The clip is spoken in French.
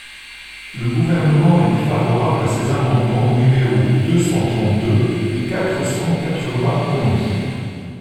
Le Gouvernement est défavorable à ces amendements numéros deux cent trente-deux et quatre cent quatre-vingt-onze.